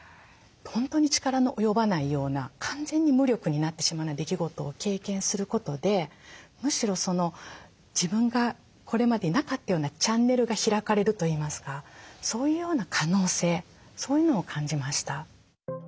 本当に力の及ばないような完全に無力になってしまうような出来事を経験することでむしろ自分がこれまでなかったようなチャンネルが開かれるといいますかそういうような可能性そういうのを感じました。